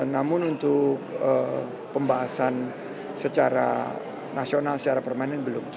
namun untuk pembahasan secara nasional secara permanen belum